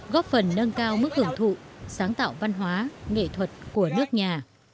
góp phần nâng cao mức hưởng thụ sáng tạo văn hóa nghệ thuật của nước nhà